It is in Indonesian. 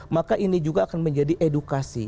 maka ini juga akan menjadi edukasi